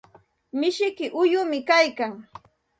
Mishiyki uyumi kaykan.